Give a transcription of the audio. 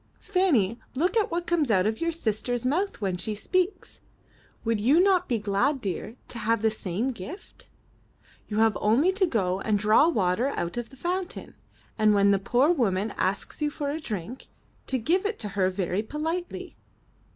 Fanny, look at what comes out of your sister's mouth when she speaks. Would you not be glad, dear, to have the same gift? You have only to go and draw water out of the fountain, and when a poor woman asks you for a drink, to give it to her very politely.''